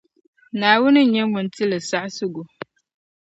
Naawuni n-nyɛ Ŋun ti li saɣisigu.